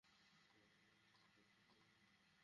আটপৌরে জীবনে মেনে চলার এমন সহজ সাতটি বিষয় তুলে ধরা হলো এখানে।